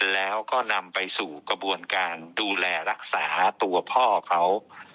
แล้วก็นำไปสู่กระบวนการดูแลรักษาตัวพ่อเขา